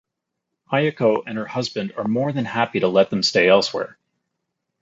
Ayako and her husband are more than happy to let them stay elsewhere.